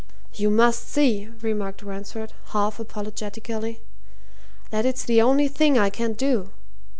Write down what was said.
"You must see," remarked Ransford, half apologetically, "that it's the only thing I can do.